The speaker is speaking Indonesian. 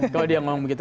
kalau dia ngomong begitu